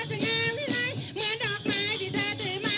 เหมือนดอกไม้ที่เธอถือมา